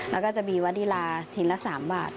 แล้วก็จะมีวดีลาชิ้นละ๓บาท